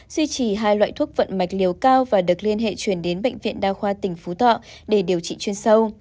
duy trì hai loại thuốc vận mạch liều cao và được liên hệ chuyển đến bệnh viện đa khoa tỉnh phú thọ để điều trị chuyên sâu